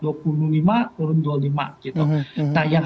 turun dua puluh lima nah yang